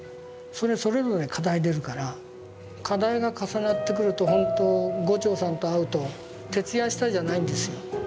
それそれぞれ課題出るから課題が重なってくるとほんと牛腸さんと会うと「徹夜した？」じゃないんですよ。